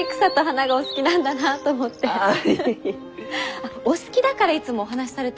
あっお好きだからいつもお話しされてるんですか？